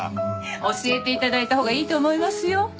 教えて頂いたほうがいいと思いますよ。